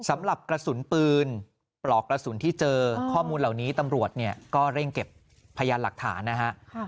ไม่ได้ออกมาใครจะกล้าออกก็กลัว